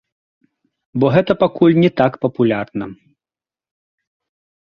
Бо гэта пакуль не так папулярна.